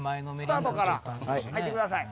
「スタート」から入ってください。